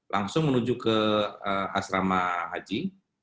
langsung menuju ke asrama haji